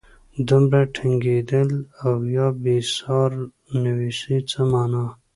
دومره ټینګېدل او یا بېسیار نویسي څه مانا.